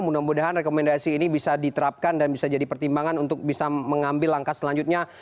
mudah mudahan rekomendasi ini bisa diterapkan dan bisa jadi pertimbangan untuk bisa mengambil langkah selanjutnya